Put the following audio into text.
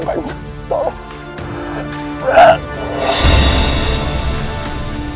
bagaimana ini ganjeng sultan